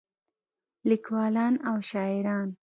لیکولان او شاعران